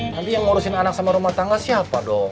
nanti yang ngurusin anak sama rumah tangga siapa dong